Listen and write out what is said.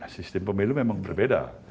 sistem pemilu memang berbeda